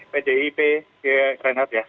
pdip keren ya